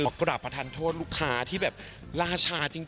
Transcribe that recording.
กำหนักกราบประทันโทษลูกค้าที่แบบล่าชาจริง